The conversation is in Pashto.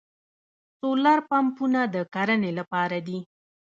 سولر پمپونه د کرنې لپاره دي.